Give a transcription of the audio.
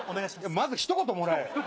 まずひと言もらえよ。